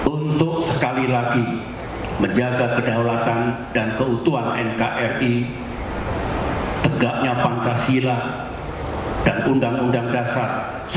untuk sekali lagi menjaga kedaulatan dan keutuhan nkri tegaknya pancasila dan undang undang dasar seribu sembilan ratus empat puluh lima